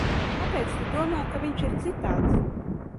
Kāpēc tu domā, ka viņš ir citāds?